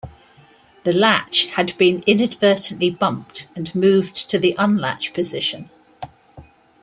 The latch had been inadvertently bumped and moved to the unlatch position.